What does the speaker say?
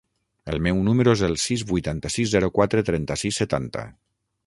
El meu número es el sis, vuitanta-sis, zero, quatre, trenta-sis, setanta.